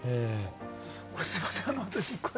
これすいません。